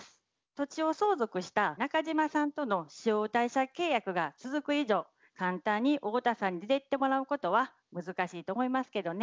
土地を相続した中島さんとの使用貸借契約が続く以上簡単に太田さんに出ていってもらうことは難しいと思いますけどね。